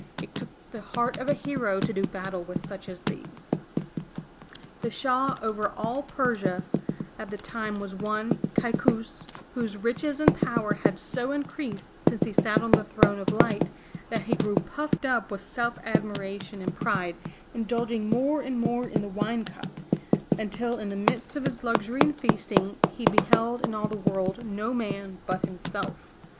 It took the heart of a hero to do battle with such as these. The Shah over all Persia at that time was one, Kai' kous, whose riches and power had so increased since he sat on the throne of Light, that he grew puffed up with self admiration and pride, indulging more and more in the wine cup, until in the midst of his luxury and feasting, he beheld in all the world no man but himself!